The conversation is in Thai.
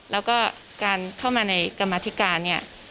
แล้วก็การเข้ามาในกรรมธิการเนี่ย